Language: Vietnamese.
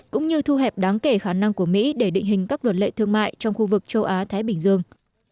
cũng như thu hẹp đáng kể khả năng của mỹ để định hình các luật lệ thương mại trong khu vực châu á thái bình dương